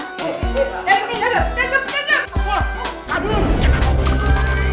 tidak ada masalah